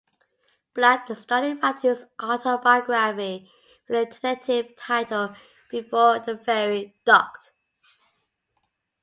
Black started writing his autobiography with the tentative title "Before the ferry docked".